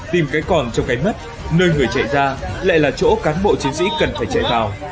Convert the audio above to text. tìm cái còn cho cái mất nơi người chạy ra lại là chỗ cán bộ chiến sĩ cần phải chạy vào